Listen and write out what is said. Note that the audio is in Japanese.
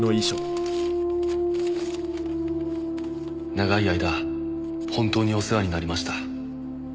「長い間本当にお世話になりました」